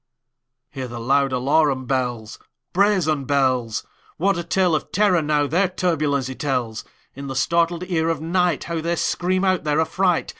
Hear the loud alarum bells, Brazen bells! What a tale of terror, now, their turbulency tells! In the startled ear of nightHow they scream out their affright!